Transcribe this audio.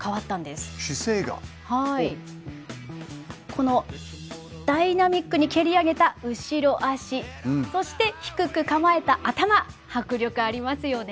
このダイナミックに蹴り上げた後ろ足そして低く構えた頭迫力ありますよね！